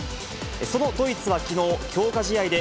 そのドイツはきのう、強化試合でＦＩＦＡ